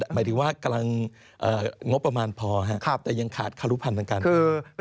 หมายถึงว่ากำลังงบประมาณพอครับแต่ยังขาดคารุพันธ์ทางการเมือง